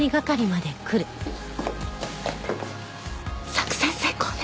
作戦成功ね。